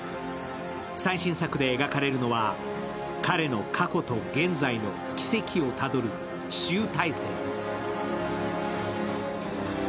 最新作で描かれるのは、彼の過去と現在の軌跡をたどる集大成。